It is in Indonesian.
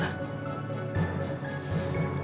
aku benar benar gak perguna